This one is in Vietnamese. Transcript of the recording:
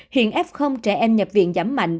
hiện f trẻ em nhập viện giảm mạnh